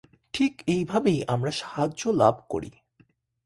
ঠিক এইভাবেই আমরা সাহায্য লাভ করি।